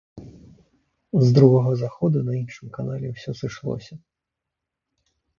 З другога заходу на іншым канале ўсё сышлося.